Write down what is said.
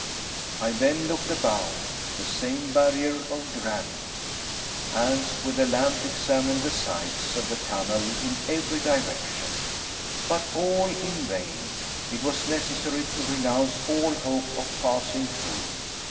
I then looked above. The same barrier of granite! Hans, with the lamp, examined the sides of the tunnel in every direction. But all in vain! It was necessary to renounce all hope of passing through.